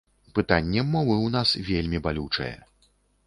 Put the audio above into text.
Пытанне мовы ў нас вельмі балючае.